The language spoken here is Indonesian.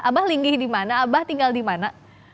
abah linggih di mana abah tinggal di mana